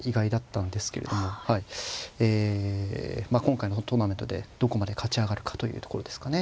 今回のトーナメントでどこまで勝ち上がるかというところですかね。